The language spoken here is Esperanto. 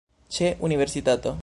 Ĉe universitado